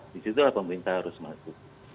disitulah pemerintah harus masuk